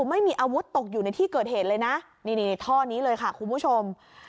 ไม่มีอาวุธตกอยู่ในที่เกิดเหตุเลยนะนี่ท่อนี้เลยค่ะคุณผู้ชม